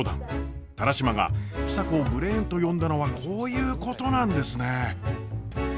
田良島が房子をブレーンと呼んだのはこういうことなんですね。